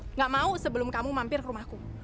tidak mau sebelum kamu mampir ke rumahku